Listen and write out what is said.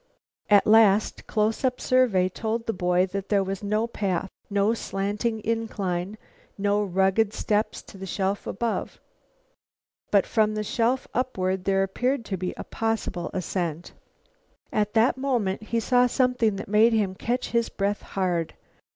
A last, close up survey told the boy that there was no path, no slanting incline, no rugged steps to the shelf above. But from the shelf upward there appeared to be a possible ascent. At that moment he saw something that made him catch his breath hard.